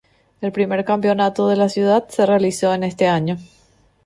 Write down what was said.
El primer campeonato de la ciudad se realizó en este año.